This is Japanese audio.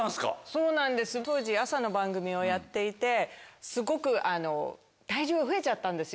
そうなんです当時朝の番組をやっていてすごく体重が増えちゃったんですよ。